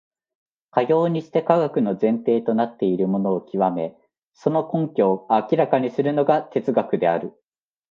かようにして科学の前提となっているものを究め、その根拠を明らかにするのが哲学である。